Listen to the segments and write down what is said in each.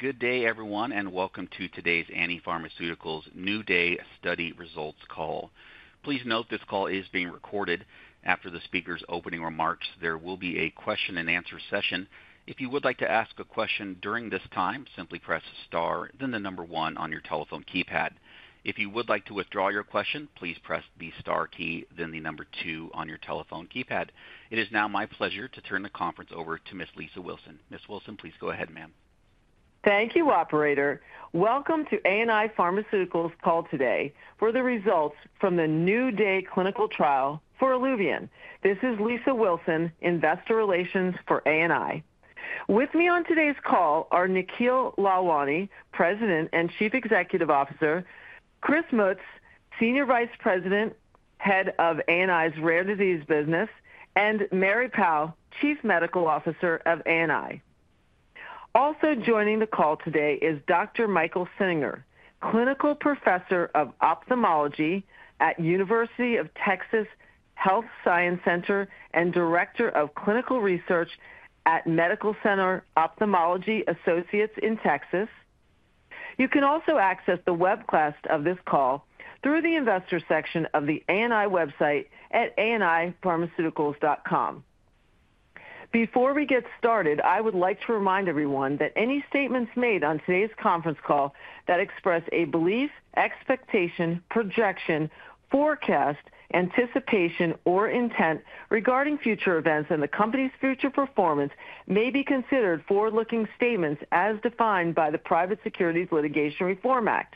Good day, everyone, and welcome to today's ANI Pharmaceuticals New Day study results call. Please note this call is being recorded. After the speaker's opening remarks, there will be a question and answer session. If you would like to ask a question during this time, simply press star, then the number one on your telephone keypad. If you would like to withdraw your question, please press the star key, then the number two on your telephone keypad. It is now my pleasure to turn the conference over to Ms. Lisa Wilson. Ms. Wilson, please go ahead, ma'am. Thank you, operator. Welcome to ANI Pharmaceuticals' call today for the results from the New Day clinical trial for Iluvien. This is Lisa Wilson, Investor Relations for ANI. With me on today's call are Nikhil Lalwani, President and Chief Executive Officer; Chris Mutz, Senior Vice President, Head of Rare Disease at ANI Pharmaceuticals; and Mary Pau, Chief Medical Officer of ANI. Also joining the call today is Dr. Michael Singer, Clinical Professor of Ophthalmology at University of Texas Health Science Center and Director of Clinical Research at Medical Center Ophthalmology Associates in Texas. You can also access the webcast of this call through the investor section of the ANI website at ani-pharmaceuticals.com. Before we get started, I would like to remind everyone that any statements made on today's conference call that express a belief, expectation, projection, forecast, anticipation, or intent regarding future events in the company's future performance may be considered forward-looking statements as defined by the Private Securities Litigation Reform Act.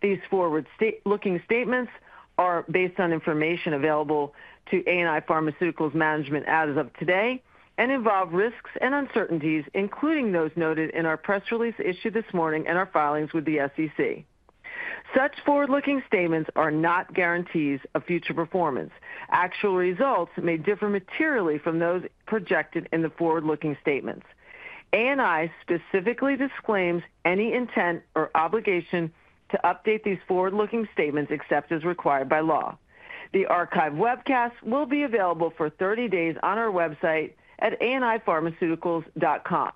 These forward-looking statements are based on information available to ANI Pharmaceuticals management as of today and involve risks and uncertainties, including those noted in our press release issued this morning and our filings with the SEC. Such forward-looking statements are not guarantees of future performance. Actual results may differ materially from those projected in the forward-looking statements. ANI specifically disclaims any intent or obligation to update these forward-looking statements except as required by law. The archived webcast will be available for 30 days on our website at ani-pharmaceuticals.com.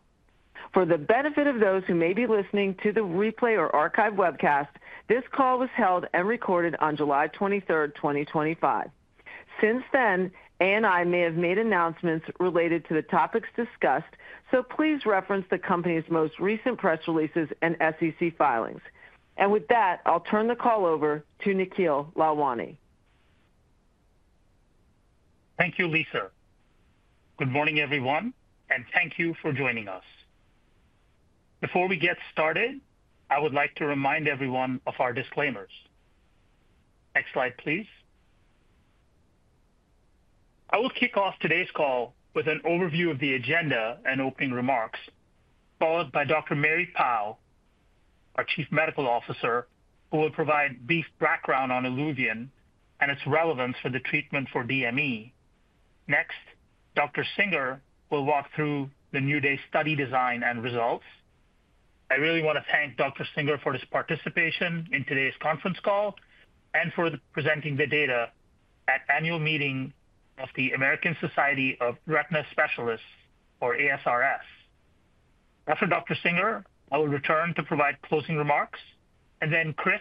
For the benefit of those who may be listening to the replay or archived webcast, this call was held and recorded on July 23, 2025. Since then, ANI may have made announcements related to the topics discussed, so please reference the company's most recent press releases and SEC filings. With that, I'll turn the call over to Nikhil Lalwani. Thank you, Lisa. Good morning, everyone, and thank you for joining us. Before we get started, I would like to remind everyone of our disclaimers. Next slide, please. I will kick off today's call with an overview of the agenda and opening remarks, followed by Dr. Mary Pau, our Chief Medical Officer, who will provide a brief background on Iluvien and its relevance for the treatment for DME. Next, Dr. Singer will walk through the New Day study design and results. I really want to thank Dr. Singer for his participation in today's conference call and for presenting the data at the annual meeting of the American Society of Retina Specialists, or ASRS. After Dr. Singer, I will return to provide closing remarks, and then Chris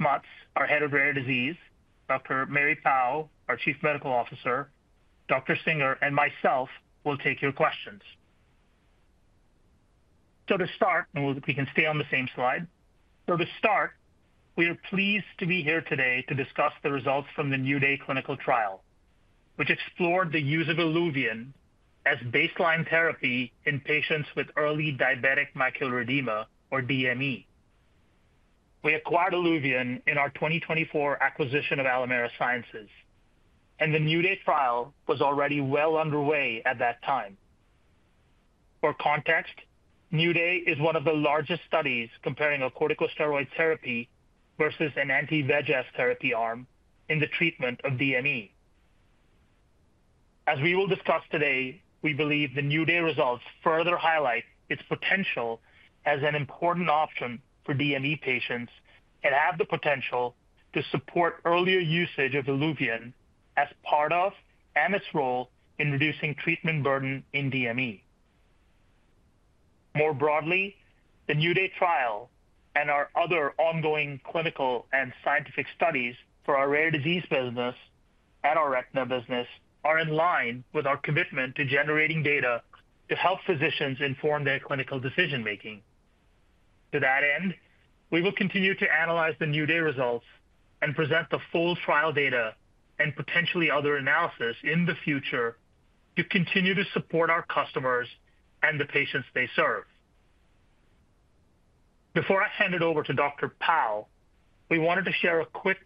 Mutz, our Head of Rare Disease, Dr. Mary Pau, our Chief Medical Officer, Dr. Singer, and myself will take your questions. To start, we are pleased to be here today to discuss the results from the New Day clinical trial, which explored the use of Iluvien as baseline therapy in patients with early diabetic macular edema, or DME. We acquired Iluvien in our 2024 acquisition of Alimera Sciences, and the New Day trial was already well underway at that time. For context, New Day is one of the largest studies comparing a corticosteroid therapy versus an anti-VEGF therapy arm in the treatment of DME. As we will discuss today, we believe the New Day results further highlight its potential as an important option for DME patients and have the potential to support earlier usage of Iluvien as part of treatment and its role in reducing treatment burden in DME. More broadly, the New Day trial and our other ongoing clinical and scientific studies for our rare disease business and our retina business are in line with our commitment to generating data to help physicians inform their clinical decision-making. To that end, we will continue to analyze the New Day results and present the full trial data and potentially other analysis in the future to continue to support our customers and the patients they serve. Before I hand it over to Dr. Pau, we wanted to share a quick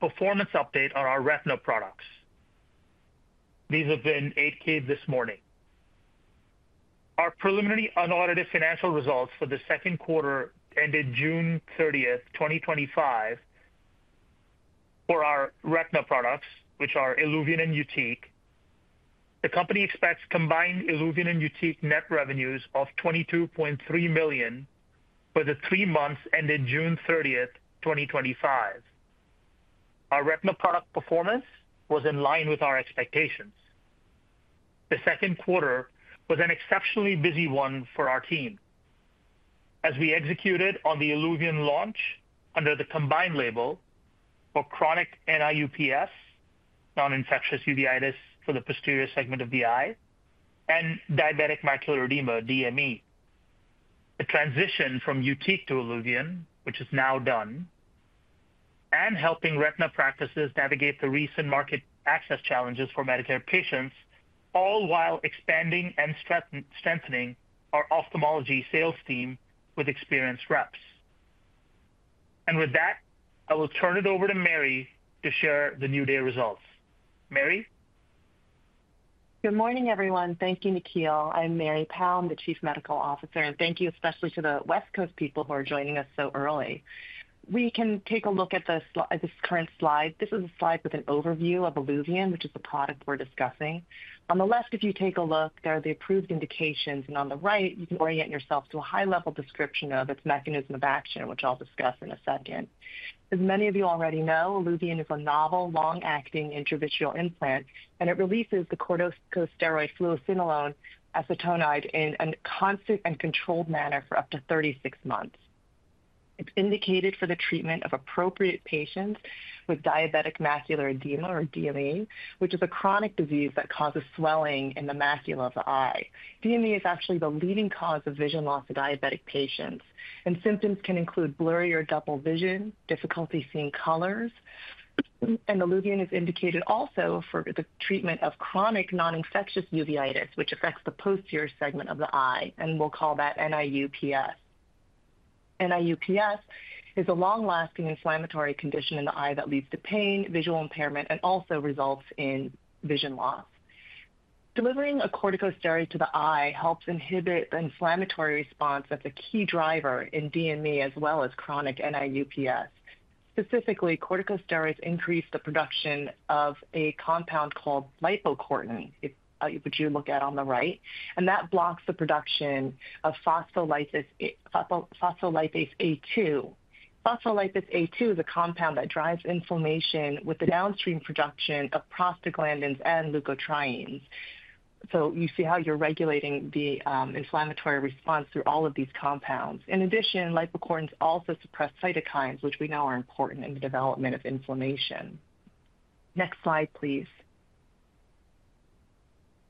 performance update on our retina products. These have been ADK this morning. Our preliminary unaudited financial results for the second quarter ended June 30, 2025. For our retina products, which are Iluvien and Yutiq, the company expects combined Iluvien and Yutiq net revenues of $22.3 million for the three months ending June 30, 2025. Our retina product performance was in line with our expectations. The second quarter was an exceptionally busy one for our team as we executed on the Iluvien launch under the combined label for chronic non-infectious uveitis for the posterior segment of the eye and diabetic macular edema, DME. The transition from Yutiq to Iluvien, which is now done, This included helping retina practices navigate recent market access challenges for Medicare patients, all while expanding and strengthening our ophthalmology sales team with experienced reps. With that, I will turn it over to Mary to share the New Day results. Mary. Good morning, everyone. Thank you, Dr. Mary Pau, the Chief Medical Officer, and thank you especially to the West Coast colleagues people who are joining us so early. Let’s take a look at the current slide. This is a slide with an overview of Iluvien, which is the product we're discussing. On the left, if you take a look, there are the approved indications, and on the right, you can orient yourself to a high-level description of its mechanism of action, which I'll discuss in a second. As many of you already know, Iluvien is a novel, long-acting intravitreal corticosteroid implant, and it releases the corticosteroid fluocinolone acetonide in a constant and controlled manner for up to 36 months. It's indicated for the treatment of appropriate patients with diabetic macular edema, or DME, which is a chronic disease that causes swelling in the macula of the eye. DME is actually the leading cause of vision loss in diabetic patients, and symptoms can include blurry or double vision, difficulty seeing colors, Iluvien is also indicated for the treatment of chronic non-infectious uveitis affecting the posterior segment of the eye, which we’ll refer to as NIU-PS. NIUPS is a long-lasting inflammatory condition in the eye that leads to pain, visual impairment, and also results in vision loss. Delivering corticosteroids directly to the eye helps suppress the inflammatory response, which is a key driver in both DME and chronic NIU-PS. Specifically, corticosteroids increase the production of a compound called lipocortin-1, which you look at on the right, and that blocks the production of phospholipase A2. This a compound that drives inflammation with the downstream production of prostaglandins and leukotrienes. This mechanism helps regulate and control inflammatory response. In addition, lipocortins also suppress cytokines, which we know are important in the development of inflammation. Next slide, please.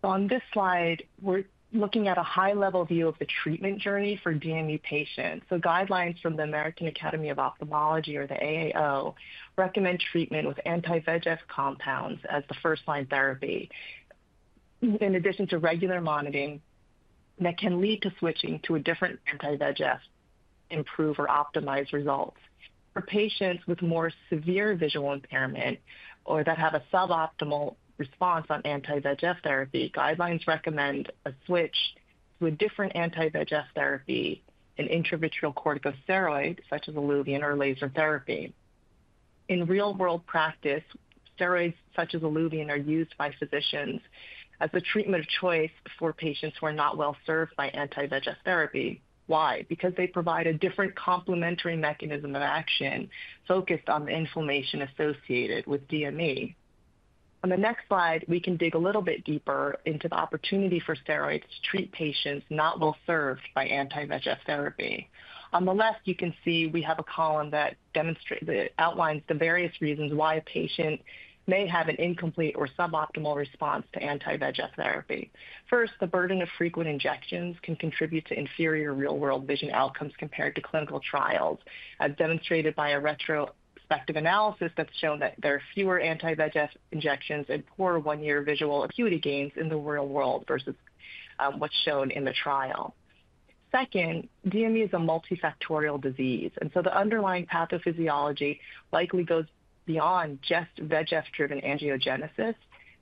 On this slide, we're looking at a high-level view of the treatment journey for DME patients. Guidelines from the American Academy of Ophthalmology, or the AAO, recommend treatment with anti-VEGF compounds as the first-line therapy, in addition to regular monitoring that can lead to switching to a different anti-VEGF to improve or optimize results. For patients with more severe visual impairment or that have a suboptimal response on anti-VEGF therapy, guidelines recommend a switch to a different anti-VEGF therapy, an intravitreal corticosteroid such as Iluvien or laser therapy. In real-world practice, steroids such as Iluvien are used by physicians as the treatment of choice for patients who are not well served by anti-VEGF therapy. Why? Because they provide a different complementary mechanism of action focused on the inflammation associated with DME. On the next slide, we can dig a little bit deeper into the opportunity for steroids to treat patients not well served by anti-VEGF therapy. On the left, you can see we have a column that outlines the various reasons why a patient may have an incomplete or suboptimal response to anti-VEGF therapy. First, the burden of frequent injections can contribute to inferior real-world vision outcomes compared to clinical trials, as demonstrated by a retrospective analysis that's shown that there are fewer anti-VEGF injections and poor one-year visual acuity gains in the real world versus what's shown in the trial. Second, DME is a multifactorial disease, and so the underlying pathophysiology likely goes beyond just VEGF-driven angiogenesis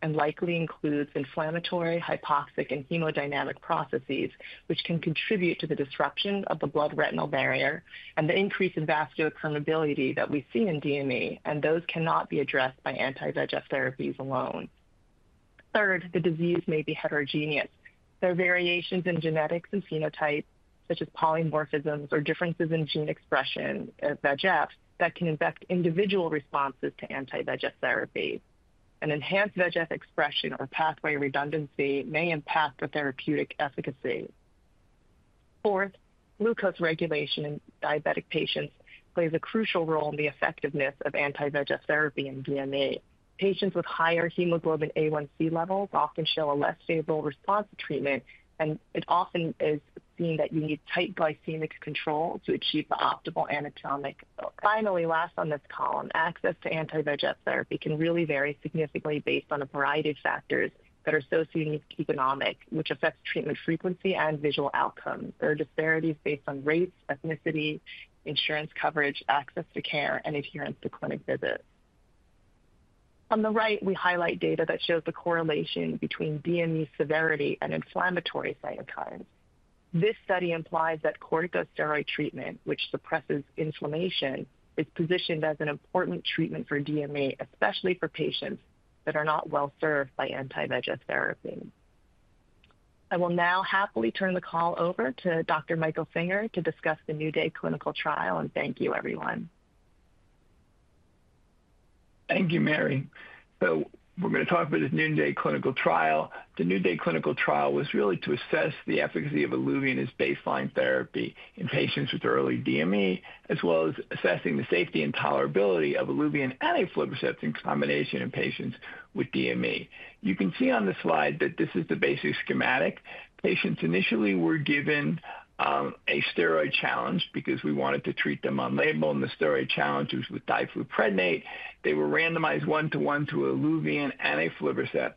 and likely includes inflammatory, hypoxic, and hemodynamic processes, which can contribute to the disruption of the blood retinal barrier and the increase in vascular permeability that we see in DME, and those cannot be addressed by anti-VEGF therapies alone. Third, the disease may be heterogeneous. There are variations in genetics and phenotypes, such as polymorphisms or differences in gene expression of VEGF that can affect individual responses to anti-VEGF therapy. An enhanced VEGF expression or pathway redundancy may impact the therapeutic efficacy. Fourth, glucose regulation in diabetic patients plays a crucial role in the effectiveness of anti-VEGF therapy in DME. Patients with higher hemoglobin A1c levels often show a less stable response to treatment, and it often is seen that you need tight glycemic control to achieve the optimal anatomic outcome. Finally, last on this column, access to anti-VEGF therapy can really vary significantly based on a variety of factors that are socio-economic, which affect treatment frequency and visual outcomes. There are disparities based on race, ethnicity, insurance coverage, access to care, and adherence to clinic visits. On the right, we highlight data that shows the correlation between DME severity and inflammatory cytokines. This study implies that corticosteroid treatment, which suppresses inflammation, is positioned as an important treatment for DME, especially for patients that are not well served by anti-VEGF therapy. I will now happily turn the call over to Dr. Michael Singer to discuss the New Day clinical trial, and thank you, everyone. Thank you, Mary. We're going to talk about the New Day clinical trial. The New Day clinical trial was really to assess the efficacy of Iluvien as baseline therapy in patients with early DME, as well as assessing the safety and tolerability of Iluvien and aflibercept in combination in patients with DME. You can see on the slide that this is the basic schematic. Patients initially were given a steroid challenge because we wanted to treat them on label, and the steroid challenge was with difluprednate. They were randomized one-to-one to Iluvien and aflibercept.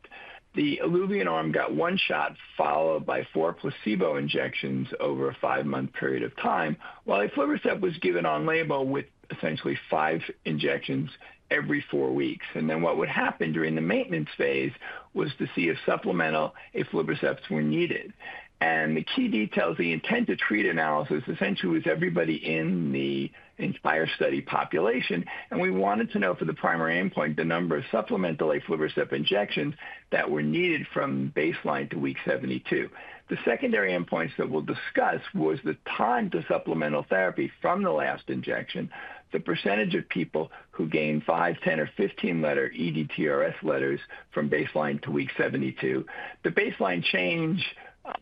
The Iluvien arm got one shot followed by four placebo injections over a five-month period of time, while aflibercept was given on label with essentially five injections every four weeks. What would happen during the maintenance phase was to see if supplemental aflibercept injections were needed. The key details of the intent-to-treat analysis essentially was everybody in the INSPIRE study population, and we wanted to know for the primary endpoint the number of supplemental aflibercept injections that were needed from baseline to week 72. The secondary endpoints that we'll discuss were the time to supplemental therapy from the last injection, the percentage of people who gained 5, 10, or 15 ETDRS letters from baseline to week 72, the baseline change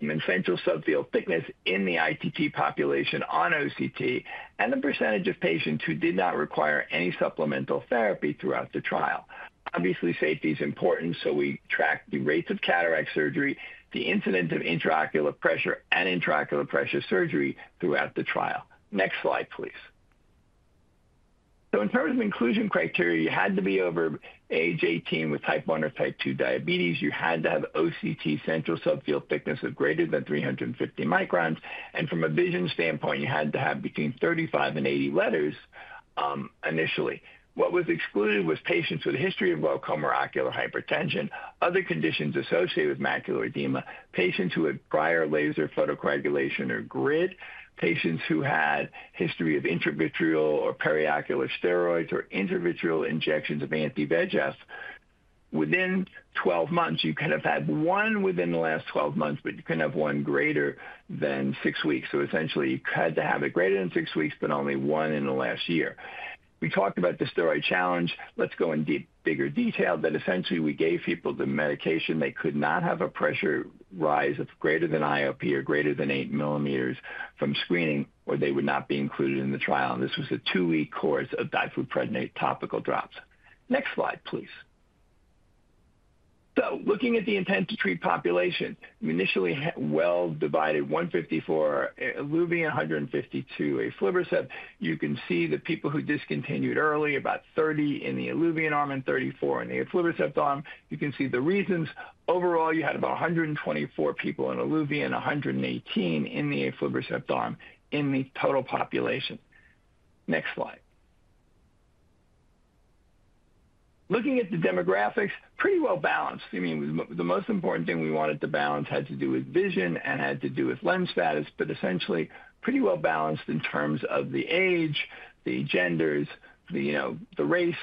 in central subfield thickness in the ITT population on OCT, and the percentage of patients who did not require any supplemental therapy throughout the trial. Obviously, safety is important, so we tracked the rates of cataract surgery, the incidence of intraocular pressure, and intraocular pressure surgery throughout the trial. Next slide, please. In terms of inclusion criteria, you had to be over age 18 with type 1 or type 2 diabetes. You had to have OCT central subfield thickness of greater than 350 microns, and from a vision standpoint, you had to have between 35 and 80 letters initially. What was excluded was patients with a history of glaucoma or ocular hypertension, other conditions associated with macular edema, patients who had prior laser photocoagulation or grid, patients who had a history of intravitreal or periocular steroids or intravitreal injections of anti-VEGF. Within 12 months, you could have had one within the last 12 months, but you couldn't have one greater than six weeks. Essentially, you had to have it greater than six weeks, but only one in the last year. We talked about the steroid challenge. Let's go into bigger detail that essentially we gave people the medication. They could not have a pressure rise of greater than IOP or greater than 8 millimeters from screening, or they would not be included in the trial. This was a two-week course of difluprednate topical drops. Next slide, please. Looking at the intent-to-treat population, you initially had well divided 154 Iluvien, 152 aflibercept. You can see the people who discontinued early, about 30 in the Iluvien arm and 34 in the aflibercept arm. You can see the reasons. Overall, you had about 124 people in Iluvien and 118 in the aflibercept arm in the total population. Next slide. Looking at the demographics, pretty well balanced. The most important thing we wanted to balance had to do with vision and had to do with lens status, but essentially pretty well balanced in terms of the age, the genders, the race,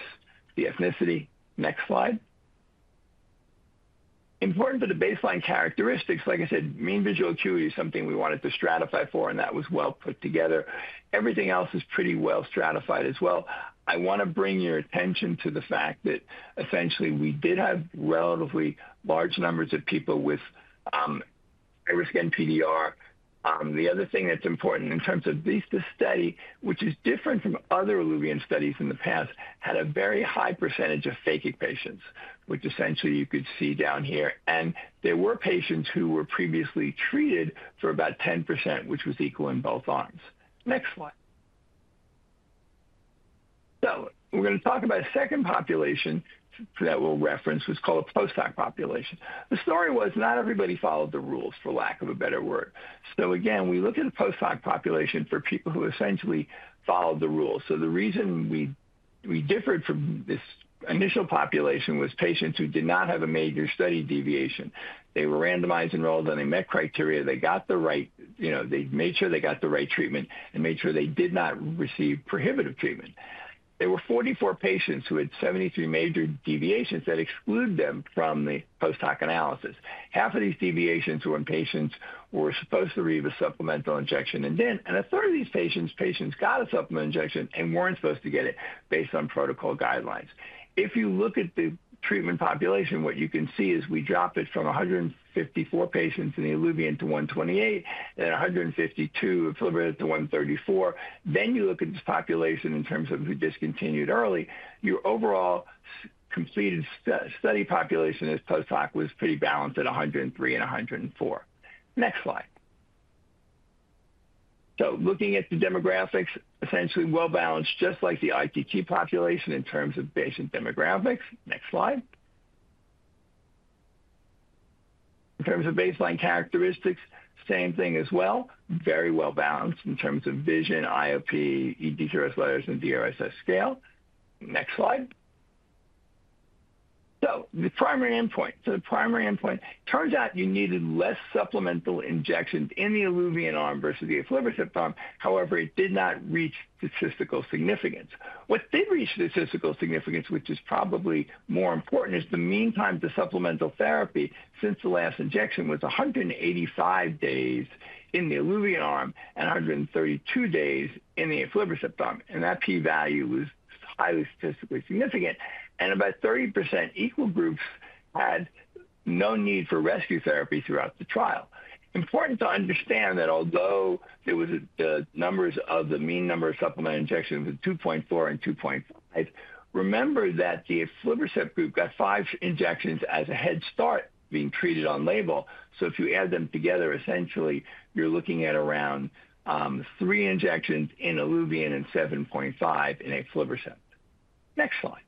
the ethnicity. Next slide. Important for the baseline characteristics, like I said, mean visual acuity is something we wanted to stratify for, and that was well put together. Everything else is pretty well stratified as well. I want to bring your attention to the fact that essentially we did have relatively large numbers of people with high-risk NPDR. The other thing that's important in terms of this study, which is different from other Iluvien studies in the past, had a very high percentage of phakic patients, which essentially you could see down here. There were patients who were previously treated for about 10%, which was equal in both arms. Next slide. We're going to talk about a second population that we'll reference, which is called the post-op population. The story was not everybody followed the rules, for lack of a better word. We look at the post-op population for people who essentially followed the rules. The reason we differed from this initial population was patients who did not have a major study deviation. They were randomized and rolled on a met criteria. They got the right, you know, they made sure they got the right treatment and made sure they did not receive prohibitive treatment. There were 44 patients who had 73 major deviations that excluded them from the post-op analysis. Half of these deviations were when patients were supposed to receive a supplemental injection, and then a third of these patients, patients got a supplemental injection and weren't supposed to get it based on protocol guidelines. If you look at the treatment population, what you can see is we drop it from 154 patients in the Iluvien to 128 and 152 aflibercept to 134. Then you look at this population in terms of who discontinued early. Your overall completed study population as post-op was pretty balanced at 103 and 104. Next slide. Looking at the demographics, essentially well balanced, just like the ITT population in terms of patient demographics. Next slide. In terms of baseline characteristics, same thing as well, very well balanced in terms of vision, IOP, ETDRS letters, and DRSS scale. Next slide. The primary endpoint, so the primary endpoint turns out you needed less supplemental injections in the Iluvien arm versus the aflibercept arm. However, it did not reach statistical significance. What did reach statistical significance, which is probably more important, is the mean time to supplemental therapy since the last injection was 185 days in the Iluvien arm and 132 days in the aflibercept arm, and that T-value was highly statistically significant. About 30% equal groups had no need for rescue therapy throughout the trial. It is important to understand that although there were the numbers of the mean number of supplemental injections of 2.4 and 2.5, remember that the aflibercept group got five injections as a head start being treated on label. If you add them together, essentially you're looking at around three injections in Iluvien and 7.5 in aflibercept. Next slide.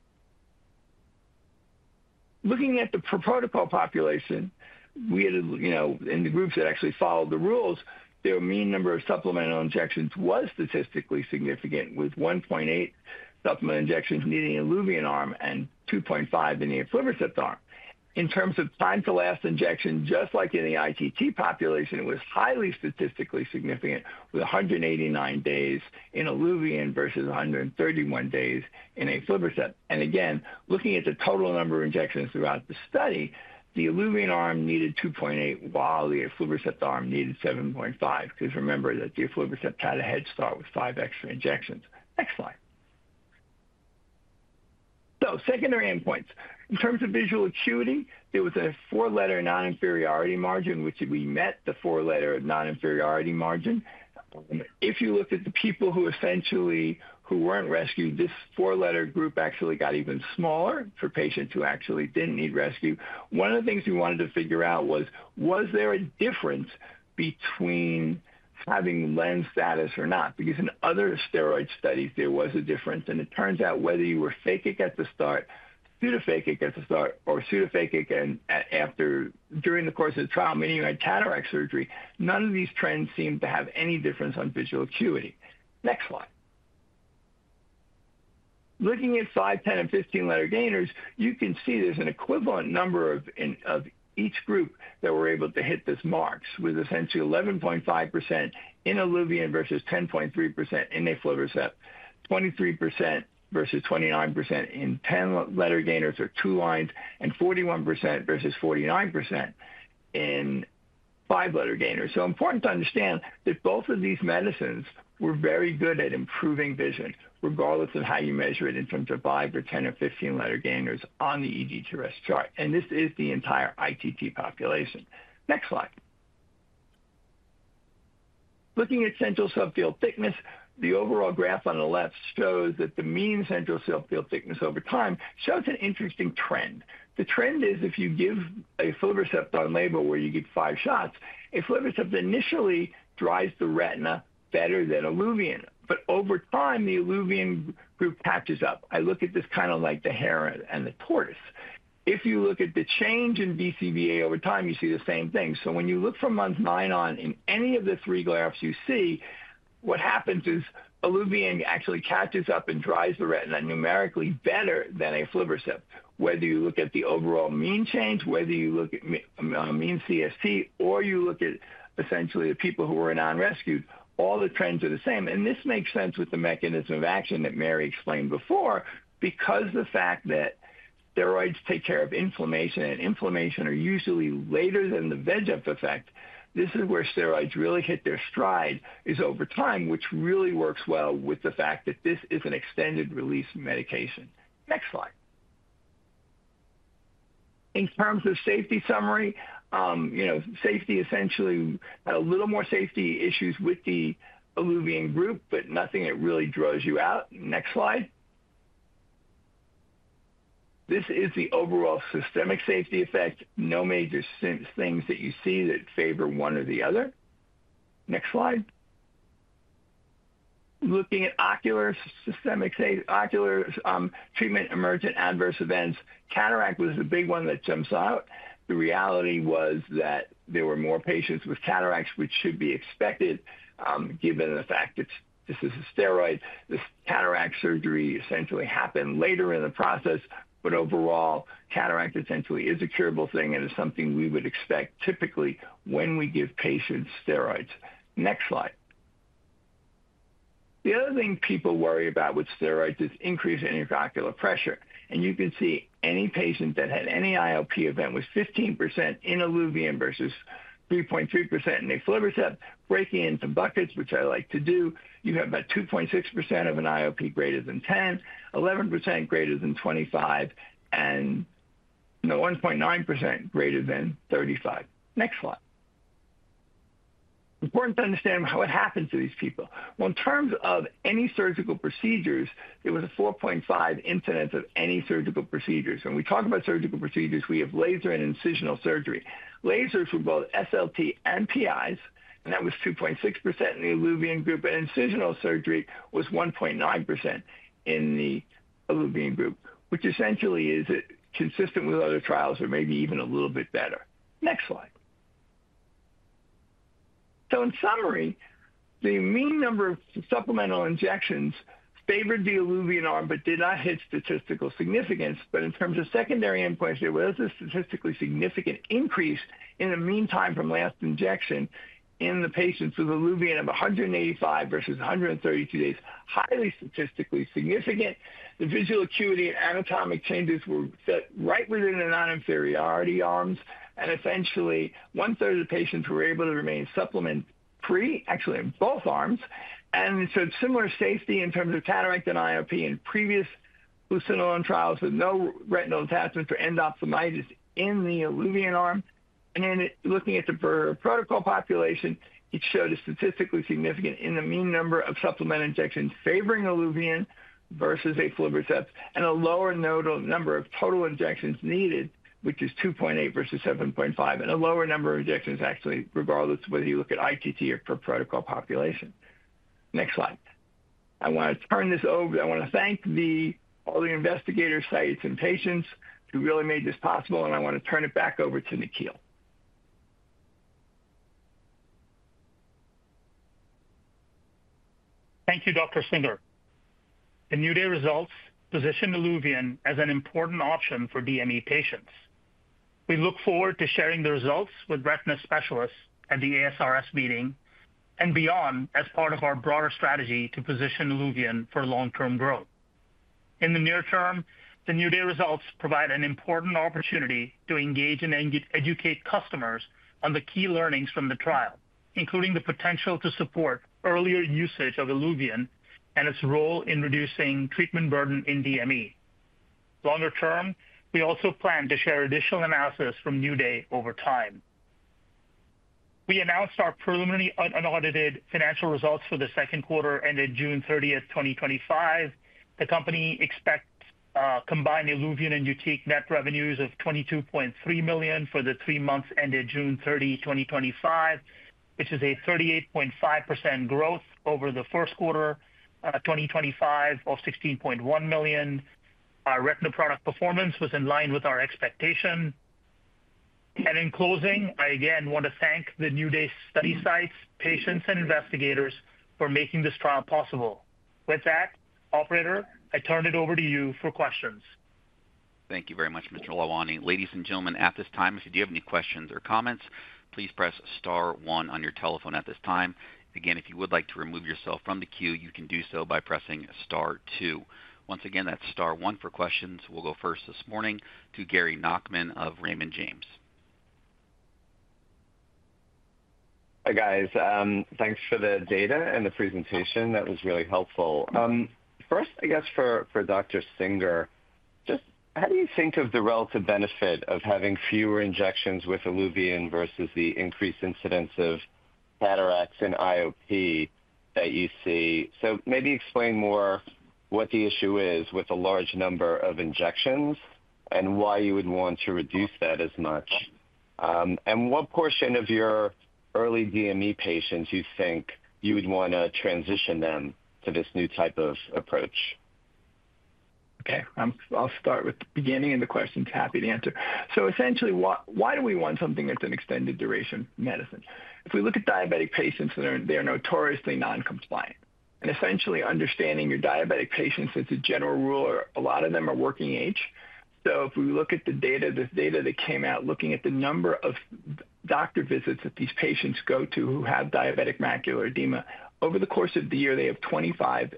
Looking at the protocol population, in the groups that actually followed the rules, their mean number of supplemental injections was statistically significant, with 1.8 supplemental injections needed in the Iluvien arm and 2.5 in the aflibercept arm. In terms of time to last injection, just like in the ITT population, it was highly statistically significant with 189 days in Iluvien versus 131 days in aflibercept. Again, looking at the total number of injections throughout the study, the Iluvien arm needed 2.8, while the aflibercept arm needed 7.5, because remember that the aflibercept had a head start with five extra injections. Next slide. Secondary endpoints. In terms of visual acuity, there was a four-letter non-inferiority margin, which we met. The four-letter non-inferiority margin, if you looked at the people who essentially weren't rescued, this four-letter group actually got even smaller for patients who actually didn't need rescue. One of the things we wanted to figure out was, was there a difference between having lens status or not? Because in other steroid studies, there was a difference, and it turns out whether you were phakic at the start, pseudophakic at the start, or pseudophakic during the course of the trial, meaning you had cataract surgery, none of these trends seemed to have any difference on visual acuity. Next slide. Looking at 5, 10, and 15 letter gainers, you can see there's an equivalent number of each group that were able to hit those marks with essentially 11.5% in Iluvien versus 10.3% in aflibercept, 23% versus 29% in 10 letter gainers or two lines, and 41% versus 49% in five letter gainers. It is important to understand that both of these medicines were very good at improving vision, regardless of how you measure it in terms of 5 or 10 or 15 letter gainers on the ETDRS chart, and this is the entire ITT population. Next slide. Looking at central subfield thickness, the overall graph on the left shows that the mean central subfield thickness over time shows an interesting trend. The trend is if you give aflibercept on label, where you give five shots, aflibercept initially drives the retina better than Iluvien, but over time, the Iluvien group catches up. I look at this kind of like the hare and the tortoise. If you look at the change in BVA over time, you see the same thing. When you look from month nine on in any of the three graphs you see, what happens is Iluvien actually catches up and drives the retina numerically better than aflibercept. Whether you look at the overall mean change, whether you look at mean CSC, or you look at essentially the people who were non-rescued, all the trends are the same. This makes sense with the mechanism of action that Mary explained before, because the fact that steroids take care of inflammation, and inflammation is usually later than the VEGF effect. This is where steroids really hit their stride is over time, which really works well with the fact that this is an extended-release medication. Next slide. In terms of safety summary, safety essentially had a little more safety issues with the Iluvien group, but nothing that really draws you out. Next slide. This is the overall systemic safety effect. No major things that you see that favor one or the other. Next slide. Looking at ocular systemic treatment, emergent adverse events, cataract was the big one that jumps out. The reality was that there were more patients with cataracts, which should be expected, given the fact that this is a steroid. This cataract surgery essentially happened later in the process, but overall, cataract essentially is a curable thing and is something we would expect typically when we give patients steroids. Next slide. The other thing people worry about with steroids is increase in intraocular pressure. You can see any patient that had any IOP event was 15% in Iluvien versus 3.3% in aflibercept. Breaking into buckets, which I like to do, you have about 2.6% of an IOP greater than 10, 11% greater than 25, and 1.9% greater than 35. Next slide. It is important to understand what happened to these people. In terms of any surgical procedures, there was a 4.5% incidence of any surgical procedures. When we talk about surgical procedures, we have laser and incisional surgery. Lasers were both SLT and PIs, and that was 2.6% in the Iluvien group, and incisional surgery was 1.9% in the Iluvien group, which essentially is consistent with other trials or maybe even a little bit better. Next slide. In summary, the mean number of supplemental injections favored the Iluvien arm but did not hit statistical significance. In terms of secondary endpoint, there was a statistically significant increase in the mean time from last injection in the patients with Iluvien of 185 versus 132 days, highly statistically significant. The visual acuity and anatomic changes were right within the non-inferiority arms, and essentially one-third of the patients were able to remain supplement-free, actually in both arms. It showed similar safety in terms of cataract and IOP in previous fluocinolone trials with no retinal detachment or endophthalmitis in the Iluvien arm. Looking at the protocol population, it showed a statistically significant in the mean number of supplemental injections favoring Iluvien versus aflibercept, and a lower number of total injections needed, which is 2.8 versus 7.5, and a lower number of injections actually, regardless of whether you look at ITT or per protocol population. Next slide. I want to turn this over. I want to thank all the investigators, sites, and patients who really made this possible, and I want to turn it back over to Nikhil. Thank you, Dr. Singer. The New Day results position Iluvien as an important option for DME patients. We look forward to sharing the results with retina specialists at the ASRS meeting and beyond as part of our broader strategy to position Iluvien for long-term growth. In the near term, the New Day results provide an important opportunity to engage and educate customers on the key learnings from the trial, including the potential to support earlier usage of Iluvien and its role in reducing treatment burden in DME. Longer term, we also plan to share additional analysis from New Day over time. We announced our preliminary unaudited financial results for the second quarter ended June 30, 2025. The company expects combined Iluvien and Yutiq net revenues of $22.3 million for the three months ended June 30, 2025, which is a 38.5% growth over the first quarter, 2025, of $16.1 million. Our retina product performance was in line with our expectation. In closing, I again want to thank the New Day study sites, patients, and investigators for making this trial possible. With that, operator, I turn it over to you for questions. Thank you very much, Mr. Lalwani. Ladies and gentlemen, at this time, if you do have any questions or comments, please press star one on your telephone at this time. Again, if you would like to remove yourself from the queue, you can do so by pressing star two. Once again, that's star one for questions. We'll go first this morning to Gary Nockman of Raymond James. Hi guys. Thanks for the data and the presentation. That was really helpful. First, I guess for Dr. Singer, just how do you think of the relative benefit of having fewer injections with Iluvien versus the increased incidence of cataracts and IOP that you see? Maybe explain more what the issue is with the large number of injections and why you would want to reduce that as much. What portion of your early DME patients do you think you would want to transition them to this new type of approach? Okay, I'll start with the beginning of the questions. Happy to answer. Essentially, why do we want something that's an extended duration medicine? If we look at diabetic patients, they're notoriously non-compliant. Understanding your diabetic patients, it's a general rule a lot of them are working age. If we look at the data, the data that came out looking at the number of doctor visits that these patients go to who have diabetic macular edema, over the course of the year, they have 25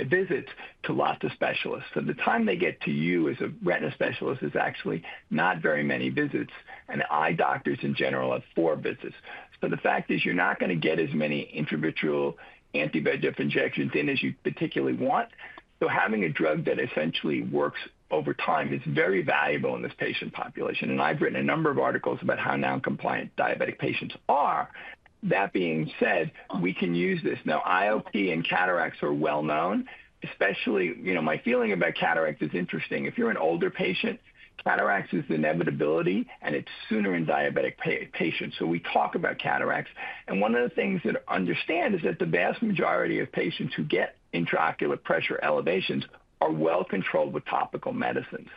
visits to lots of specialists. By the time they get to you as a retina specialist, it's actually not very many visits, and eye doctors in general have four visits. The fact is you're not going to get as many intravitreal anti-VEGF injections in as you particularly want. Having a drug that essentially works over time is very valuable in this patient population. I've written a number of articles about how non-compliant diabetic patients are. That being said, we can use this. Now, IOP and cataracts are well known. Especially, you know, my feeling about cataract is interesting. If you're an older patient, cataract is the inevitability, and it's sooner in diabetic patients. We talk about cataracts. One of the things to understand is that the vast majority of patients who get intraocular pressure elevations are well controlled with topical medicines.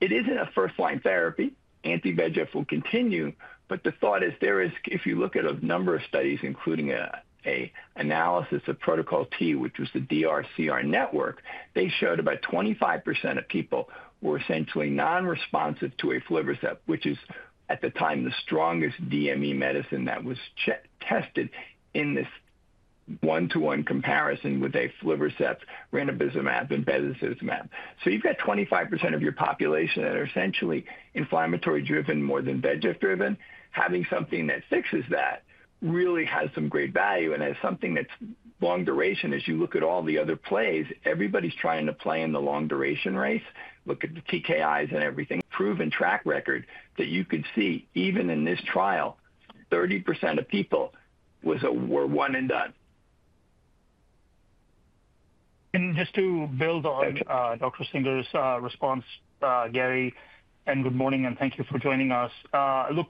It isn't a first-line therapy. Anti-VEGF will continue, but the thought is there is, if you look at a number of studies, including an analysis of Protocol T, which was the DRCR network, they showed about 25% of people were essentially non-responsive to aflibercept, which is at the time the strongest DME medicine that was tested in this one-to-one comparison with aflibercept, ranibizumab, and bevacizumab. You've got 25% of your population that are essentially inflammatory-driven more than VEGF-driven. Having something that fixes that really has some great value. As something that's long duration, as you look at all the other plays, everybody's trying to play in the long duration race. Look at the TKIs and everything. Proven track record that you can see, even in this trial, 30% of people were one and done. To build on Dr. Singer's response, Gary, good morning, and thank you for joining us.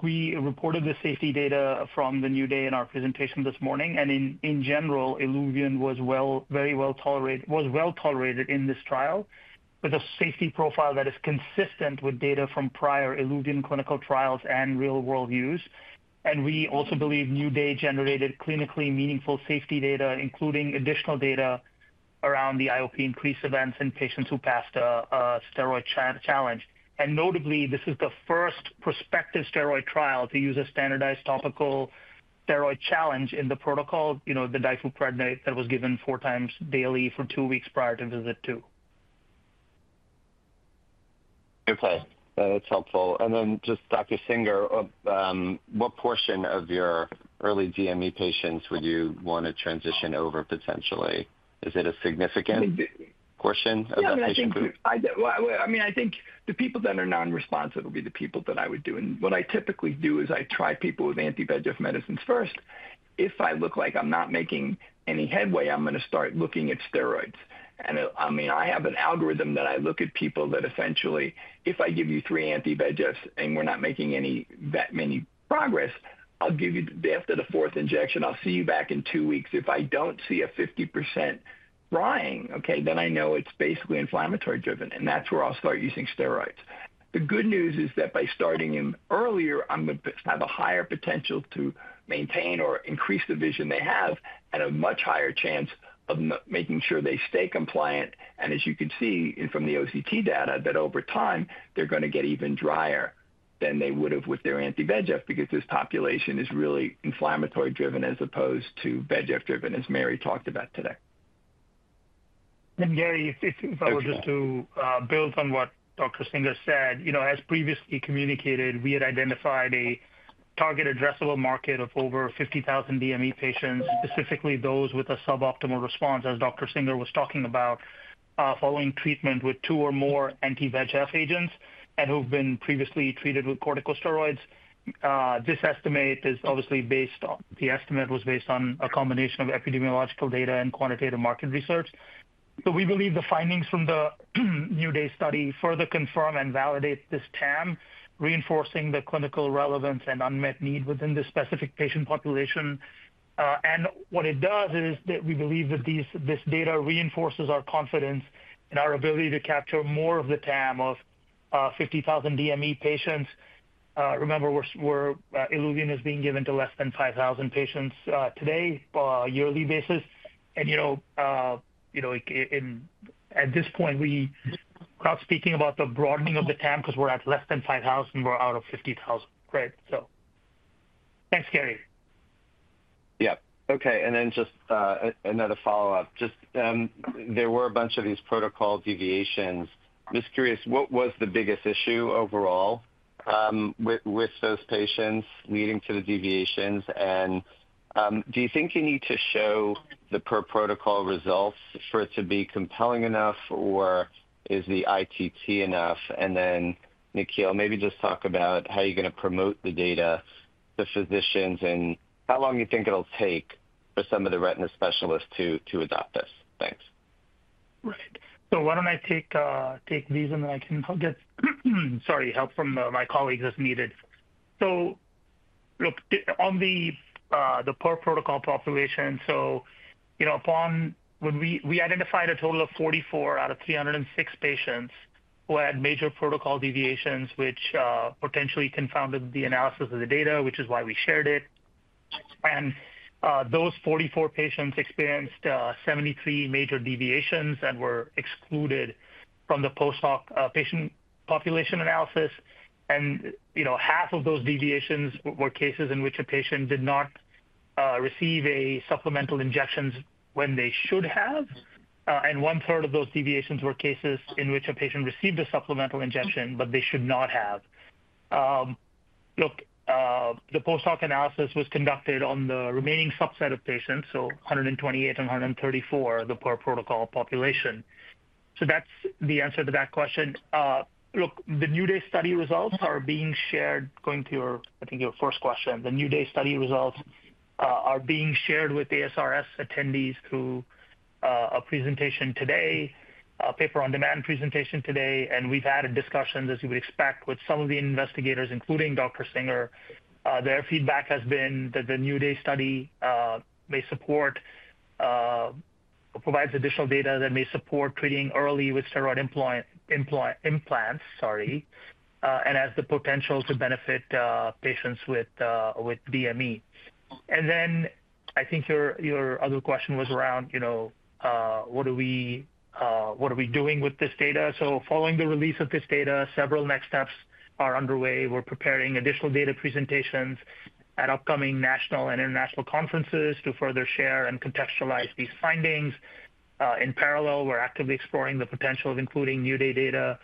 We reported the safety data from the New Day in our presentation this morning. In general, Iluvien was very well tolerated in this trial with a safety profile that is consistent with data from prior Iluvien clinical trials and real-world use. We also believe New Day generated clinically meaningful safety data, including additional data around the IOP increase events in patients who passed a steroid challenge. Notably, this is the first prospective steroid trial to use a standardized topical steroid challenge in the protocol, the difluprednate that was given four times daily for two weeks prior to visit two. Okay, that's helpful. Dr. Singer, what portion of your early DME patients would you want to transition over potentially? Is it a significant portion of that patient pool? I think the people that are non-responsive will be the people that I would do. What I typically do is I try people with anti-VEGF medicines first. If I look like I'm not making any headway, I'm going to start looking at steroids. I have an algorithm that I look at people that essentially, if I give you three anti-VEGFs and we're not making that much progress, I'll give you, after the fourth injection, I'll see you back in two weeks. If I don't see a 50% drying, then I know it's basically inflammatory-driven, and that's where I'll start using steroids. The good news is that by starting them earlier, I'm going to have a higher potential to maintain or increase the vision they have and a much higher chance of making sure they stay compliant. As you can see from the OCT data, over time, they're going to get even drier than they would have with their anti-VEGF because this population is really inflammatory-driven as opposed to VEGF-driven, as Mary talked about today. Gary, if I was just to build on what Dr. Singer said, you know, as previously communicated, we had identified a target addressable market of over 50,000 DME patients, specifically those with a suboptimal response, as Dr. Singer was talking about, following treatment with two or more anti-VEGF agents and who've been previously treated with corticosteroids. This estimate is obviously based on the estimate was based on a combination of epidemiological data and quantitative market research. We believe the findings from the New Day study further confirm and validate this TAM, reinforcing the clinical relevance and unmet need within this specific patient population. What it does is that we believe that this data reinforces our confidence in our ability to capture more of the TAM of 50,000 DME patients. Remember, Iluvien is being given to less than 5,000 patients today on a yearly basis. At this point, we are speaking about the broadening of the TAM because we're at less than 5,000, we're out of 50,000. Great. Thanks, Gary. Okay. Just another follow-up. There were a bunch of these protocol deviations. I'm just curious, what was the biggest issue overall with those patients leading to the deviations? Do you think you need to show the per protocol results for it to be compelling enough, or is the ITT enough? Nikhil, maybe just talk about how you're going to promote the data to physicians and how long you think it'll take for some of the retina specialists to adopt this. Thanks. Why don't I take these and then I can get help from my colleagues as needed. On the per protocol population, upon when we identified a total of 44 out of 306 patients who had major protocol deviations, which potentially confounded the analysis of the data, which is why we shared it. Those 44 patients experienced 73 major deviations that were excluded from the post-op patient population analysis. Half of those deviations were cases in which a patient did not receive supplemental injections when they should have, and one-third of those deviations were cases in which a patient received a supplemental injection, but they should not have. The post-op analysis was conducted on the remaining subset of patients, so 128 and 134, the per protocol population. That's the answer to that question. The New Day study results are being shared, going to your, I think, your first question. The New Day study results are being shared with ASRS attendees through a presentation today, a paper-on-demand presentation today. We've had discussions, as you would expect, with some of the investigators, including Dr. Michael Singer. Their feedback has been that the New Day study may support, provides additional data that may support treating early with steroid implants, and has the potential to benefit patients with DME. I think your other question was around what are we doing with this data. Following the release of this data, several next steps are underway. We're preparing additional data presentations at upcoming national and international conferences to further share and contextualize these findings. In parallel, we're actively exploring the potential of including New Day data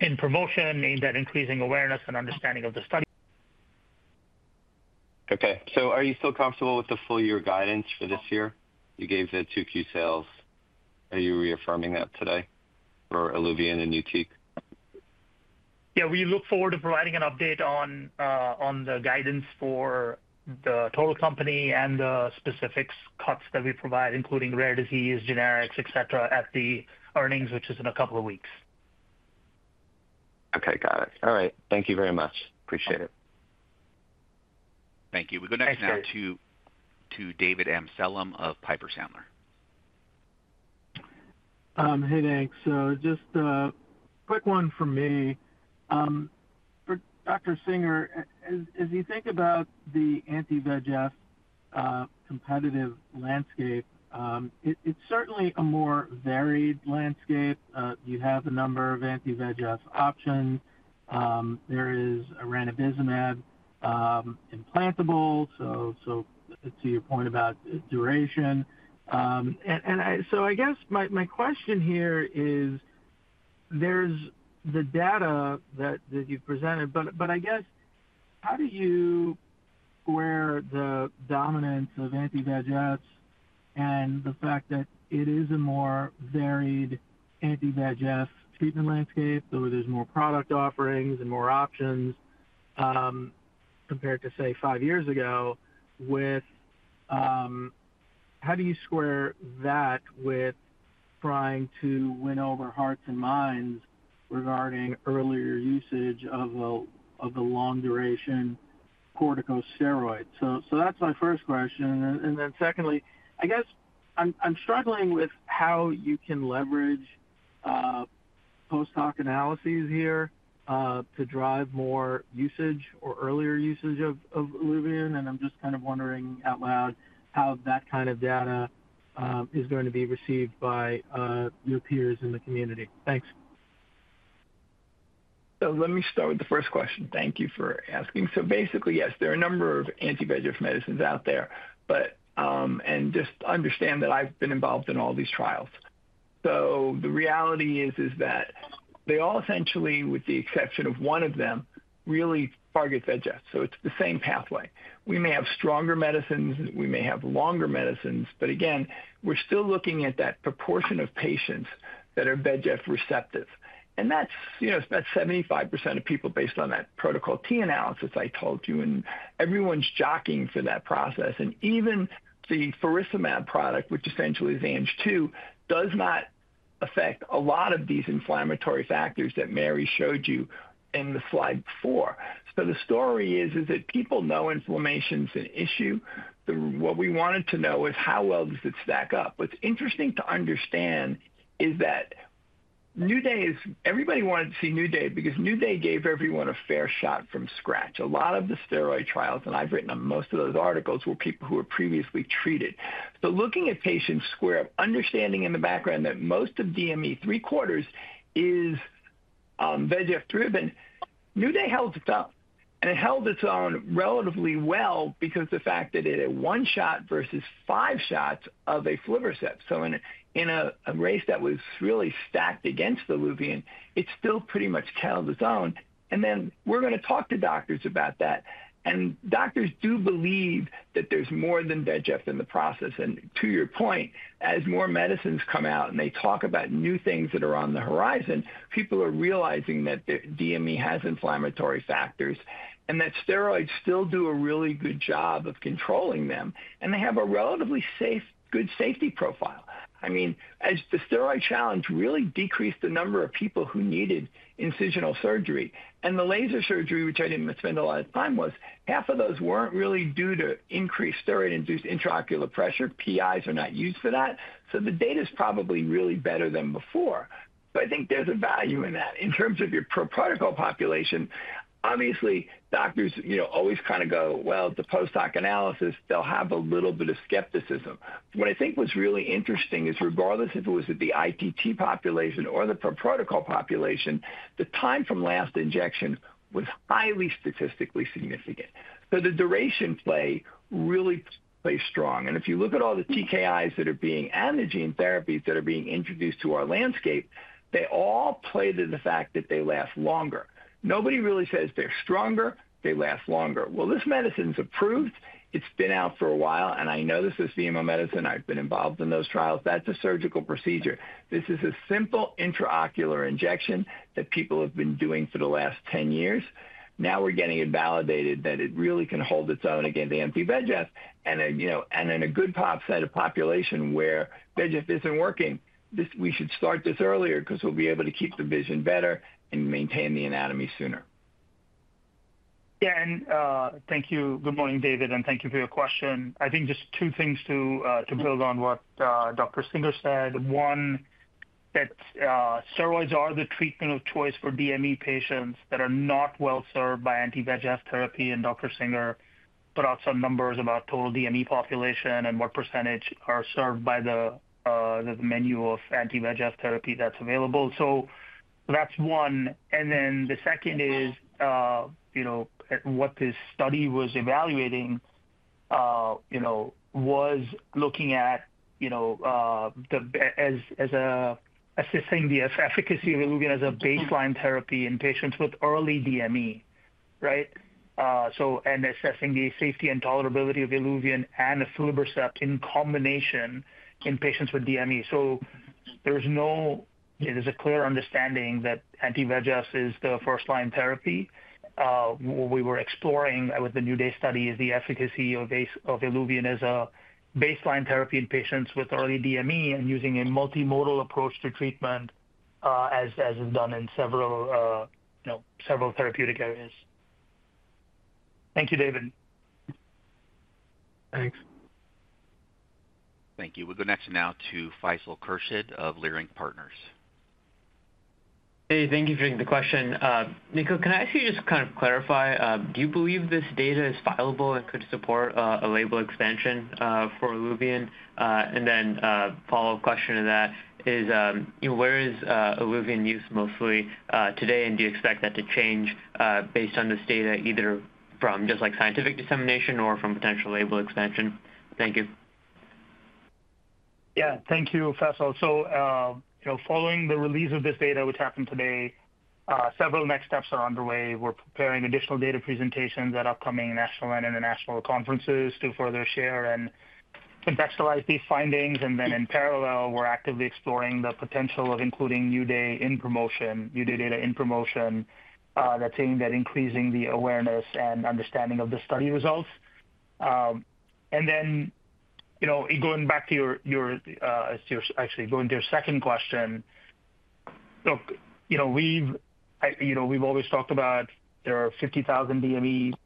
in promotion, aimed at increasing awareness and understanding of the study. Okay. Are you still comfortable with the full-year guidance for this year? You gave the Q2 sales. Are you reaffirming that today for Iluvien and Yutiq? We look forward to providing an update on the guidance for the total company and the specific cuts that we provide, including rare disease, generics, etc., at the earnings, which is in a couple of weeks. Okay, got it. All right. Thank you very much. Appreciate it. Thank you. We go next now to David M. Amsellem of Piper Sandler. Hey, thanks. Just a quick one from me. Dr. Singer, as you think about the anti-VEGF competitive landscape, it's certainly a more varied landscape. You have a number of anti-VEGF options. There is a ranibizumab implantable. To your point about duration, I guess my question here is, there's the data that you've presented, but how do you square the dominance of anti-VEGF and the fact that it is a more varied anti-VEGF treatment landscape, so there's more product offerings and more options compared to, say, five years ago? How do you square that with trying to win over hearts and minds regarding earlier usage of the long-duration corticosteroid? That's my first question. Secondly, I guess I'm struggling with how you can leverage post-hoc analyses here to drive more usage or earlier usage of Iluvien. I'm just kind of wondering out loud how that kind of data is going to be received by your peers in the community. Thanks. Let me start with the first question. Thank you for asking. Basically, yes, there are a number of anti-VEGF medicines out there, but just understand that I've been involved in all these trials. The reality is that they all essentially, with the exception of one of them, really target VEGF. It's the same pathway. We may have stronger medicines. We may have longer medicines. Again, we're still looking at that proportion of patients that are VEGF receptive. It's about 75% of people based on that Protocol T analysis I told you. Everyone's jockeying for that process. Even the furosemide product, which essentially is AMS-2, does not affect a lot of these inflammatory factors that Mary showed you in the slide before. The story is that people know inflammation is an issue. What we wanted to know is how well does it stack up? What's interesting to understand is that New Day is everybody wanted to see New Day because New Day gave everyone a fair shot from scratch. A lot of the steroid trials, and I've written on most of those articles, were people who were previously treated. Looking at patients square, understanding in the background that most of DME, three-quarters, is VEGF-driven, New Day held its own. It held its own relatively well because of the fact that it had one shot versus five shots of aflibercept. In a race that was really stacked against the Iluvien, it still pretty much held its own. We're going to talk to doctors about that. Doctors do believe that there's more than VEGF in the process. To your point, as more medicines come out and they talk about new things that are on the horizon, people are realizing that DME has inflammatory factors and that steroids still do a really good job of controlling them. They have a relatively good safety profile. I mean, as the steroid challenge really decreased the number of people who needed incisional surgery, and the laser surgery, which I didn't spend a lot of time on, half of those weren't really due to increased steroid-induced intraocular pressure. TIs are not used for that. The data is probably really better than before. I think there's a value in that. In terms of your per protocol population, obviously, doctors always kind of go, well, the post-hoc analysis, they'll have a little bit of skepticism. What I think was really interesting is regardless if it was at the ITT population or the per protocol population, the time from last injection was highly statistically significant. The duration play really plays strong. If you look at all the TKIs that are being anti-gene therapies that are being introduced to our landscape, they all play to the fact that they last longer. Nobody really says they're stronger, they last longer. This medicine is approved. It's been out for a while. I know this is VMO medicine. I've been involved in those trials. That's a surgical procedure. This is a simple intraocular injection that people have been doing for the last 10 years. Now we're getting it validated that it really can hold its own against anti-VEGF. In a good set of population where VEGF isn't working, we should start this earlier because we'll be able to keep the vision better and maintain the anatomy sooner. Thank you. Good morning, David, and thank you for your question. I think just two things to build on what Dr. Singer said. One, that steroids are the treatment of choice for DME patients that are not well served by anti-VEGF therapy. Dr. Singer brought some numbers about total DME population and what % are served by the menu of anti-VEGF therapy that's available. That's one. The second is what this study was evaluating, looking at assessing the efficacy of Iluvien as a baseline therapy in patients with early DME, and assessing the safety and tolerability of Iluvien and aflibercept in combination in patients with DME. There's a clear understanding that anti-VEGF is the first-line therapy. What we were exploring with the New Day study is the efficacy of Iluvien as a baseline therapy in patients with early DME and using a multimodal approach to treatment, as is done in several therapeutic areas. Thank you, David. Thanks. Thank you. We'll go next now to Faisal Khurshid of Leerink Partners. Thank you for the question. Nikhil, can I ask you just to clarify, do you believe this data is viable and could support a label expansion for Iluvien? A follow-up question to that is, you know, where is Iluvien used mostly today, and do you expect that to change based on this data either from just like scientific dissemination or from potential label expansion? Thank you. Thank you, Faisal. Following the release of this data, which happened today, several next steps are underway. We're preparing additional data presentations at upcoming national and international conferences to further share and contextualize these findings. In parallel, we're actively exploring the potential of including New Day data in promotion that's aimed at increasing the awareness and understanding of the study results. Going to your second question, we've always talked about there are 50,000,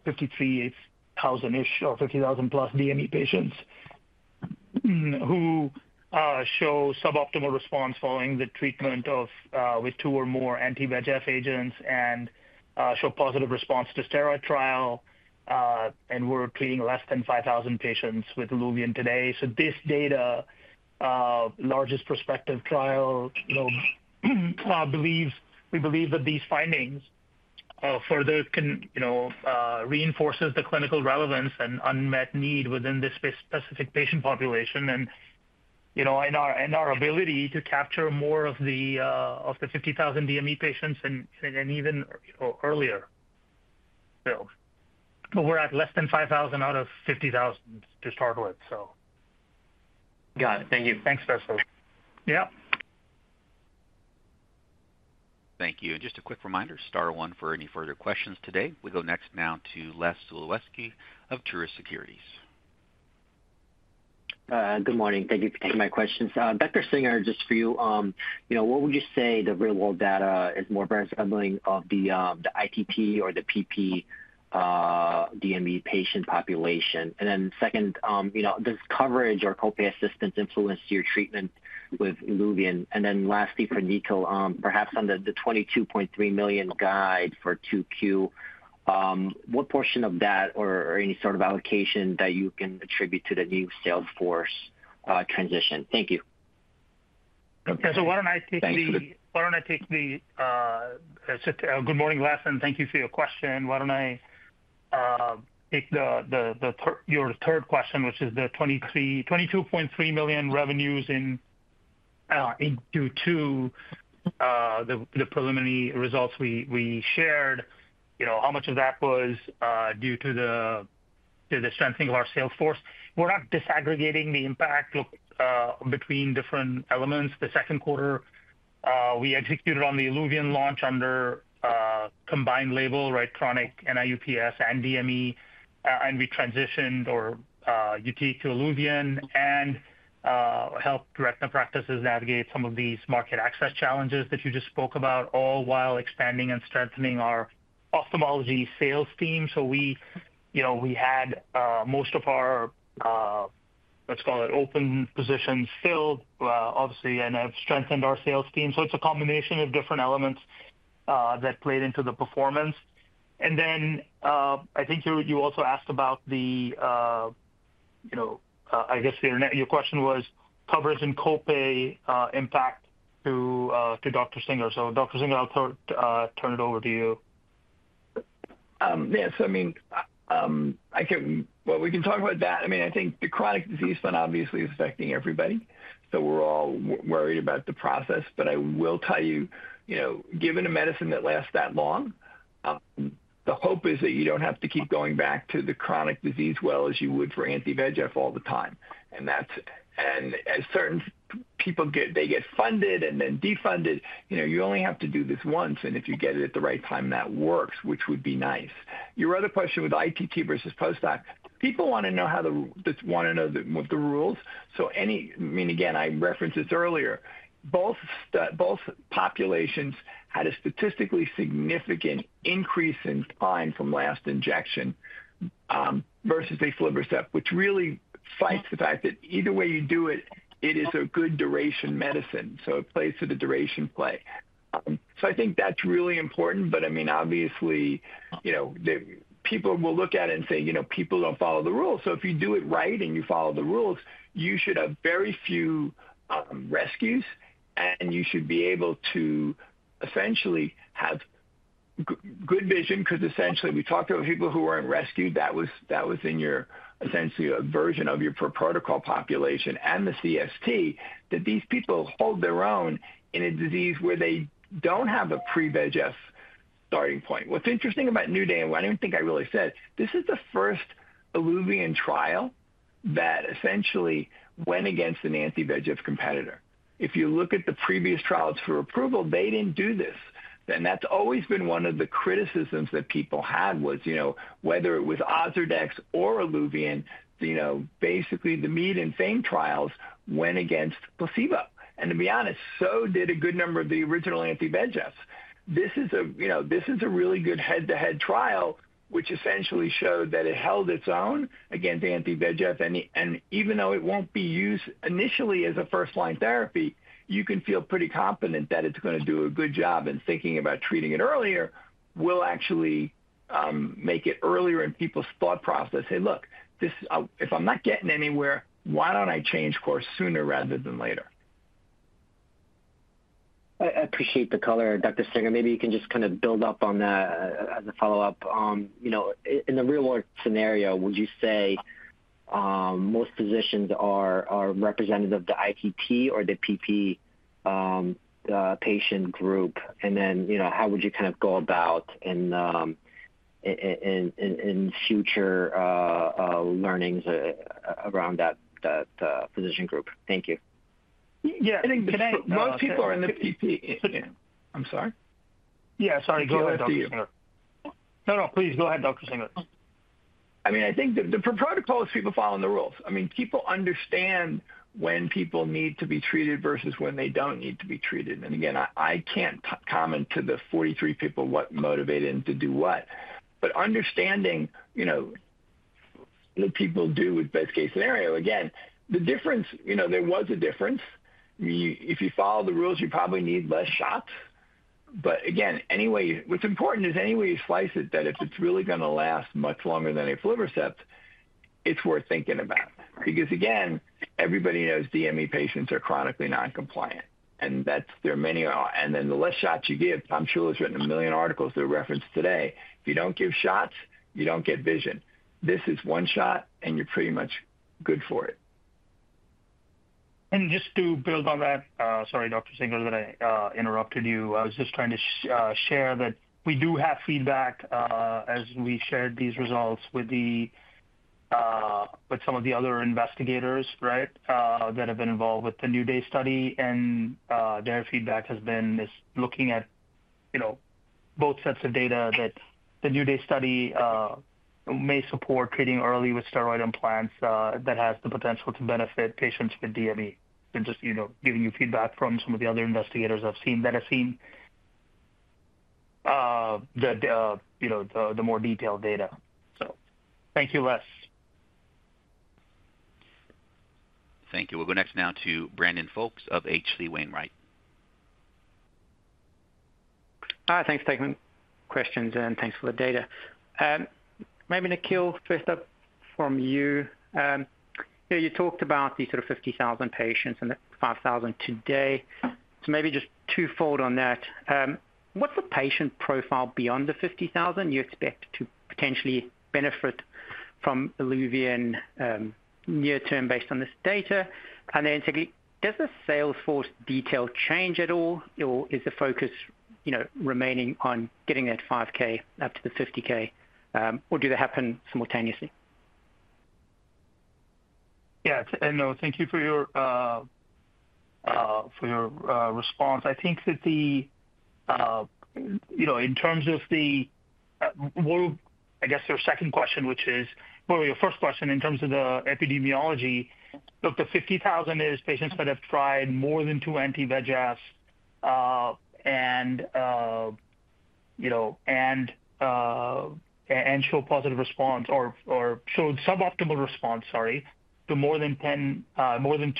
53,000-ish, or 50,000 plus DME patients who show suboptimal response following the treatment with two or more anti-VEGF agents and show positive response to steroid trial. We're treating less than 5,000 patients with Iluvien today. This data, the largest prospective trial, we believe that these findings further can reinforce the clinical relevance and unmet need within this specific patient population and in our ability to capture more of the 50,000 DME patients and even earlier. We're at less than 5,000 out of 50,000 to start with. Got it. Thank you. Thanks, Faisal. Yeah. Thank you. Just a quick reminder, star one for any further questions today. We go next now to Les Swiatkowski of Turis Securities. Good morning. Thank you for taking my questions. Dr. Singer, just for you, what would you say the real-world data is more resembling of the ITT or the DME patient population? Does coverage or copay assistance influence your treatment with Iluvien? Lastly, for Nikhil, perhaps on the $22.3 million guide for Q2, what portion of that or any sort of allocation can you attribute to the new salesforce transition? Thank you. Why don't I take your third question, which is the $22.3 million revenues in Q2, the preliminary results we shared, you know, how much of that was due to the strengthening of our salesforce? We're not disaggregating the impact. Look, between different elements, the second quarter, we executed on the Iluvien launch under combined label, right, chronic NIUPS and DME. We transitioned our Yutiq to Iluvien and helped retina practices navigate some of these market access challenges that you just spoke about, all while expanding and strengthening our ophthalmology sales team. We had most of our, let's call it, open positions filled, obviously, and have strengthened our sales team. It's a combination of different elements that played into the performance. I think you also asked about the, you know, I guess your question was coverage and copay impact to Dr. Singer. Dr. Singer, I'll turn it over to you. Yes, I mean, I can, we can talk about that. I think the chronic disease fund obviously is affecting everybody. We're all worried about the process. I will tell you, given a medicine that lasts that long, the hope is that you don't have to keep going back to the chronic disease well as you would for anti-VEGF all the time. As certain people get, they get funded and then defunded, you only have to do this once. If you get it at the right time, that works, which would be nice. Your other question with ITT versus postdoc, people want to know how the, want to know the rules. I referenced this earlier, both populations had a statistically significant increase in time from last injection versus aflibercept, which really fights the fact that either way you do it, it is a good duration medicine. It plays to the duration play. I think that's really important. Obviously, people will look at it and say, people don't follow the rules. If you do it right and you follow the rules, you should have very few rescues, and you should be able to essentially have good vision, because essentially we talked about people who weren't rescued. That was in your essentially a version of your per protocol population and the CST, that these people hold their own in a disease where they don't have a pre-VEGF starting point. What's interesting about New Day, and I don't think I really said, this is the first Iluvien trial that essentially went against an anti-VEGF competitor. If you look at the previous trials for approval, they didn't do this. That's always been one of the criticisms that people had was, whether it was Ozurdex or Iluvien, basically the meat and thing trials went against placebo. To be honest, so did a good number of the original anti-VEGFs. This is a really good head-to-head trial, which essentially showed that it held its own against anti-VEGF. Even though it won't be used initially as a first-line therapy, you can feel pretty confident that it's going to do a good job in thinking about treating it earlier. We'll actually make it earlier in people's thought process. Hey, look, if I'm not getting anywhere, why don't I change course sooner rather than later? I appreciate the color, Dr. Singer. Maybe you can just kind of build up on that as a follow-up. In the real-world scenario, would you say most physicians are representative of the ITT or the PT patient group? How would you kind of go about in future learnings around that physician group? Thank you. Yeah, I think most people are in the ITT. I'm sorry. Yeah, sorry. Go ahead, Dr. Singer. No, please go ahead, Dr. Singer. I think the per protocol is people follow the rules. People understand when people need to be treated versus when they don't need to be treated. I can't comment to the 43 people what motivated them to do what. Understanding what people do with best-case scenario, the difference, there was a difference. If you follow the rules, you probably need less shots. What's important is any way you slice it, if it's really going to last much longer than aflibercept, it's worth thinking about. Everybody knows DME patients are chronically non-compliant. There are many. The less shots you give, I'm sure there's written a million articles that are referenced today. If you don't give shots, you don't get vision. This is one shot, and you're pretty much good for it. To build on that, sorry, Dr. Singer, that I interrupted you. I was just trying to share that we do have feedback as we shared these results with some of the other investigators that have been involved with the New Day study. Their feedback has been looking at both sets of data that the New Day study may support treating early with steroid implants that has the potential to benefit patients with DME. Just giving you feedback from some of the other investigators I've seen that have seen the more detailed data. Thank you, Les. Thank you. We'll go next now to Brandon Folks of H.C. Wainwright. Hi, thanks for taking questions and thanks for the data. Maybe Nikhil, first up from you. You talked about these sort of 50,000 patients and the 5,000 today. Maybe just twofold on that. What's the patient profile beyond the 50,000 you expect to potentially benefit from Iluvien near-term based on this data? Secondly, does the salesforce detail change at all, or is the focus, you know, remaining on getting that 5K up to the 50K, or do they happen simultaneously? Thank you for your response. I think that in terms of your second question, which is, your first question in terms of the epidemiology, the 50,000 is patients that have tried more than two anti-VEGF therapies and showed suboptimal response to more than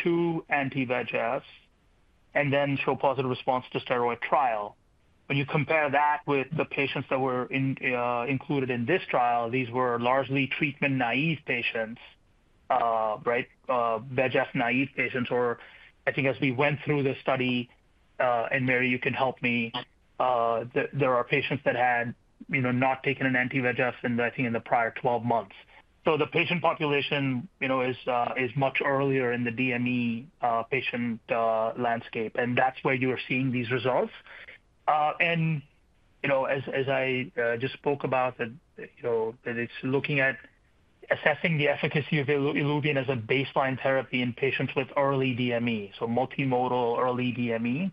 two anti-VEGF therapies and then showed positive response to steroid trial. When you compare that with the patients that were included in this trial, these were largely treatment-naive patients, VEGF-naive patients. As we went through this study, and Mary, you can help me, there are patients that had not taken an anti-VEGF, and I think in the prior 12 months. The patient population is much earlier in the DME patient landscape. That is where you are seeing these results. As I just spoke about, it is looking at assessing the efficacy of Iluvien as a baseline therapy in patients with early DME, so multimodal early DME.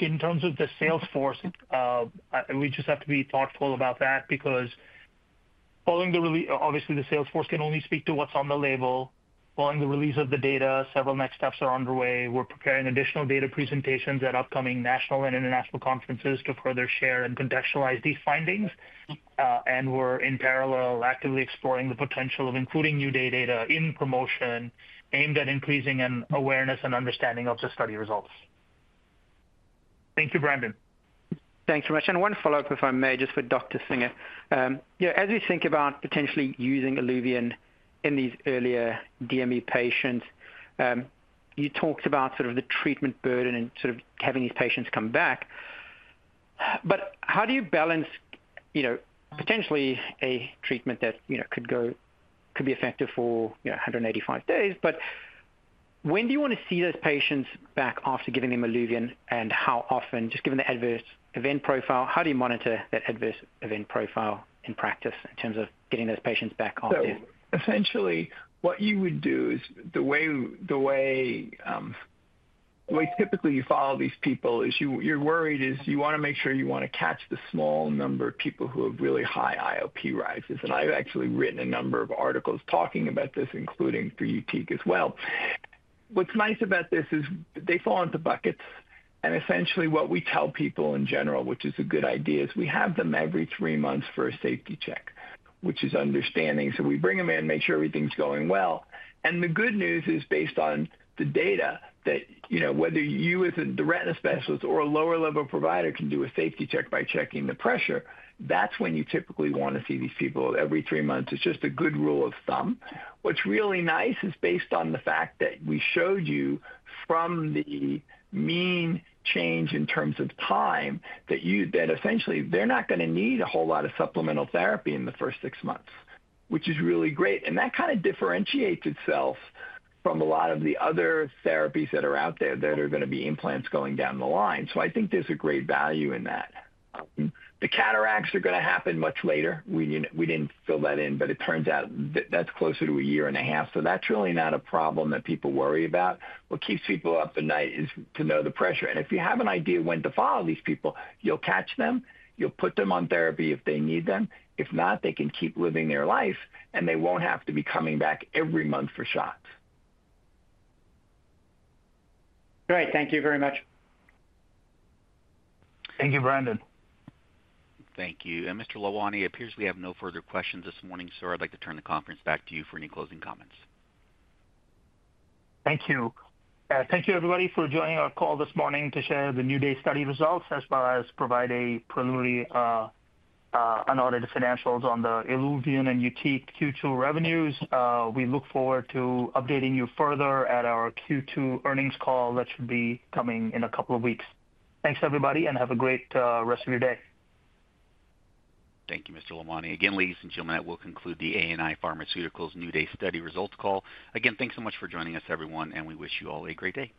In terms of the salesforce, we just have to be thoughtful about that because following the release, obviously, the salesforce can only speak to what is on the label. Following the release of the data, several next steps are underway. We are preparing additional data presentations at upcoming national and international conferences to further share and contextualize these findings. We are in parallel actively exploring the potential of including new data in promotion aimed at increasing awareness and understanding of the study results. Thank you, Brandon. Thanks very much. One follow-up, if I may, just for Dr. Singer. As we think about potentially using Iluvien in these earlier DME patients, you talked about the treatment burden and having these patients come back. How do you balance potentially a treatment that could be effective for 185 days? When do you want to see those patients back after giving them Iluvien and how often, given the adverse event profile? How do you monitor that adverse event profile in practice in terms of getting those patients back after? Essentially, what you would do is, the way typically you follow these people is you're worried, you want to make sure you want to catch the small number of people who have really high IOP rises. I've actually written a number of articles talking about this, including for Yutiq as well. What's nice about this is they fall into buckets. Essentially, what we tell people in general, which is a good idea, is we have them every three months for a safety check, which is understanding. We bring them in, make sure everything's going well. The good news is based on the data that, you know, whether you as a retina specialist or a lower-level provider can do a safety check by checking the pressure, that's when you typically want to see these people every three months. It's just a good rule of thumb. What's really nice is based on the fact that we showed you from the mean change in terms of time that you, that essentially, they're not going to need a whole lot of supplemental therapy in the first six months, which is really great. That kind of differentiates itself from a lot of the other therapies that are out there that are going to be implants going down the line. I think there's a great value in that. The cataracts are going to happen much later. We didn't fill that in, but it turns out that that's closer to a year and a half. That's really not a problem that people worry about. What keeps people up at night is to know the pressure. If you have an idea of when to follow these people, you'll catch them. You'll put them on therapy if they need them. If not, they can keep living their life, and they won't have to be coming back every month for shots. Great. Thank you very much. Thank you, Brandon. Thank you. Mr. Lalwani, it appears we have no further questions this morning. Sir, I'd like to turn the conference back to you for any closing comments. Thank you. Thank you, everybody, for joining our call this morning to share the New Day study results, as well as provide preliminary and audited financials on the Iluvien and Yutiq Q2 revenues. We look forward to updating you further at our Q2 earnings call that should be coming in a couple of weeks. Thanks, everybody, and have a great rest of your day. Thank you, Mr. Lalwani. Again, ladies and gentlemen, that will conclude the ANI Pharmaceuticals New Day study results call. Again, thanks so much for joining us, everyone, and we wish you all a great day.